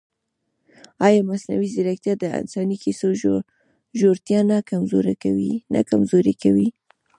ایا مصنوعي ځیرکتیا د انساني کیسو ژورتیا نه کمزورې کوي؟